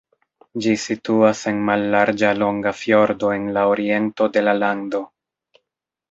Ĝi situas en mallarĝa longa fjordo en la oriento de la lando.